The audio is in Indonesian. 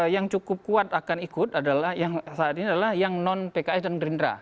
yang cukup kuat akan ikut adalah yang saat ini adalah yang non pks dan gerindra